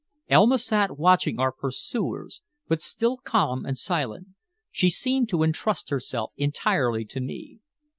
Elma sat watching our pursuers, but still calm and silent. She seemed to intrust herself entirely to me.